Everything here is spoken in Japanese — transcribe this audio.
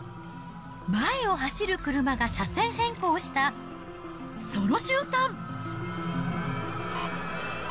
前を走る車が車線変更をしたその瞬間。